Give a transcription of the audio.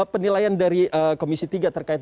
penilaian dari komisi tiga terkait